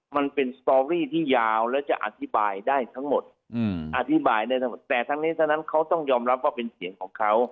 มันเป็นสตอรี่ที่ยาวและจะอธิบายได้ทั้งหมดอธิบายได้ทั้งหมดแต่ทั้งนี้ทั้งนั้นเขาต้องยอมรับว่าเป็นเสียงของเขา